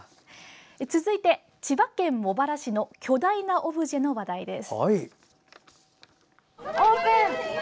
続いて、千葉県茂原市の巨大なオブジェの話題です。